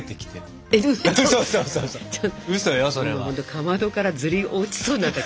かまどからずり落ちそうになった。